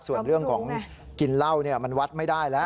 ส่วนเรื่องของกินเหล้ามันวัดไม่ได้แล้ว